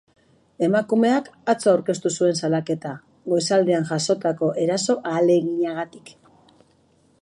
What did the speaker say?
Emakumeak atzo aurkeztu zuen salaketa, goizaldean jazotako eraso ahaleginagatik.